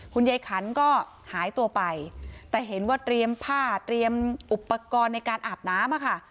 คุณยายขันก็หายตัวไปแต่เห็นว่าเตรียมผ้าเตรียมอุปกรณ์ในการอาบน้ำอะค่ะ